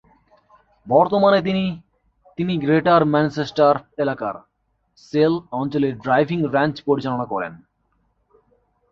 বর্তমানে তিনি তিনি গ্রেটার ম্যানচেস্টার এলাকার "সেল" অঞ্চলে ড্রাইভিং রেঞ্জ পরিচালনা করেন।